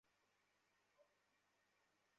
তাকে আসতে বল, তাকে আমার এক্ষুণি চাই।